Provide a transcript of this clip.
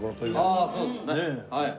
ああそうですねはい。